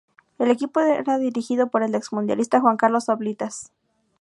El equipo era dirigido por el ex mundialista Juan Carlos Oblitas.